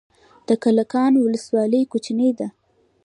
د کلکان ولسوالۍ کوچنۍ ده